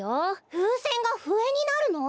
ふうせんがふえになるの？